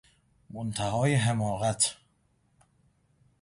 منتهای حماقت!